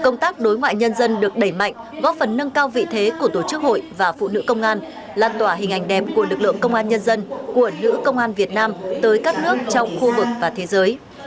công tác đối ngoại nhân dân được đẩy mạnh góp phần nâng cao vị thế của tổ chức hội và phụ nữ công an lan tỏa hình ảnh đẹp của lực lượng công an nhân dân của nữ công an việt nam tới các nước trong khu vực và thế giới